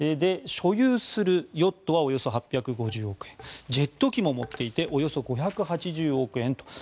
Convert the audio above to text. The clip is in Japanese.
所有するヨットはおよそ８５０億円ジェット機も持っていておよそ５８０億円と。